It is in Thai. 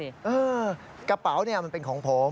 เออกระเป๋าเนี่ยมันเป็นของผม